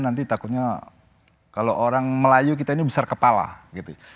nanti takutnya kalau orang melayu kita ini besar kepala gitu